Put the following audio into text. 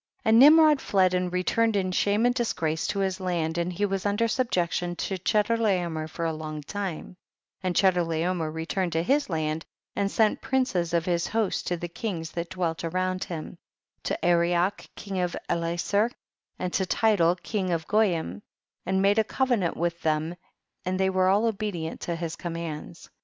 16. And Nimrod fled and return ed in shame and disgrace to his land, and he was under subjection to Che dorlaomer for a long time, and Che dorlaomer returned to his land and sent princes of his host to the kings that dwelt around him, to Arioch king of Elasar, and to Tidal king of Goyim, and made a covenant with them, and they were all obedient to his commands.